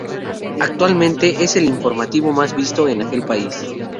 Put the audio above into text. Actualmente es el informativo más visto en aquel país.